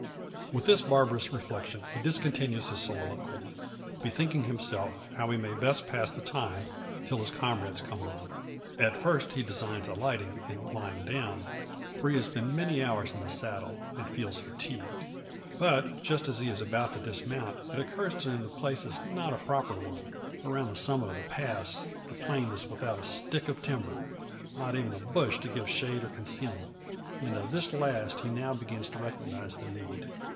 With this barbarous reflection he discontinues his soliloquy, bethinking himself, how he may best pass the time till his comrades come on. At first he designs alighting, and lying down: for he has been many hours in the saddle, and feels fatigued. But just as he is about to dismount, it occurs to him the place is not a proper one. Around the summit of the pass, the plain is without a stick of timber, not even a bush to give shade or concealment, and of this last he now begins to recognise the need.